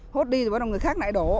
hốt đi rồi bắt đầu người khác lại đổ